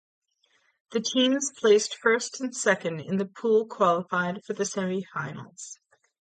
The teams placed first and second in the pool qualified for the semifinals.